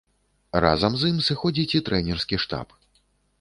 Разам з ім сыходзіць і трэнерскі штаб.